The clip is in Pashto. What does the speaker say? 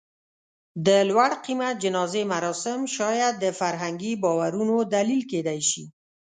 د لوړ قېمت جنازې مراسم شاید د فرهنګي باورونو دلیل کېدی شي.